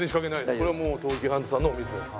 これはもう東急ハンズさんのお水です。